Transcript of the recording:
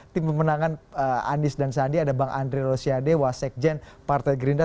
tim pemenangan anis dan sandi ada bang andri rosiade wasek jen partai gerinda